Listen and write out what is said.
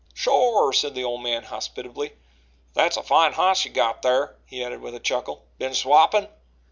"Shore!" said the old man hospitably. "That's a fine hoss you got thar," he added with a chuckle. "Been swappin'?"